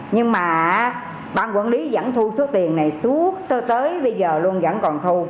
nhưng mà ban quản lý vẫn thu số tiền này xuống tới bây giờ luôn vẫn còn thu